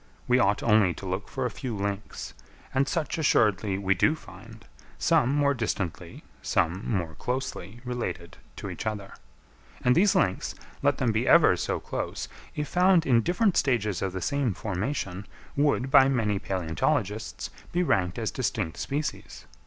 We ought only to look for a few links, and such assuredly we do find—some more distantly, some more closely, related to each other; and these links, let them be ever so close, if found in different stages of the same formation, would, by many palæontologists, be ranked as distinct species.